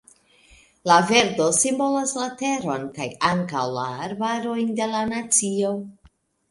La verdo simbolas la teron, kaj ankaŭ la arbarojn de la nacio.